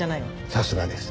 さすがです。